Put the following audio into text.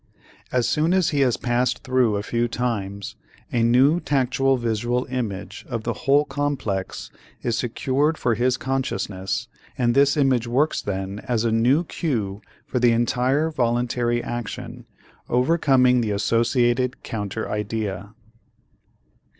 As soon as he has passed through a few times, a new tactual visual image of the whole complex is secured for his consciousness and this image works then as a new cue for the entire voluntary action, overcoming the associated counter idea.